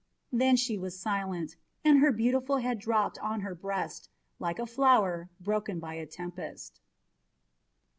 Then she was silent, and her beautiful head dropped on her breast like a flower broken by a tempest.